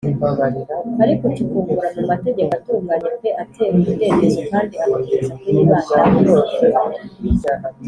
Ariko ucukumbura mu mategeko atunganye p atera umudendezo kandi agakomeza kuyibandaho